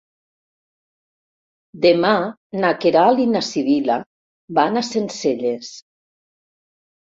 Demà na Queralt i na Sibil·la van a Sencelles.